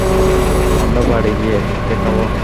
আমরা বাড়ি গিয়ে একসাথে খাবো?